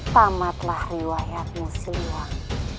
tamatlah riwayatmu siluang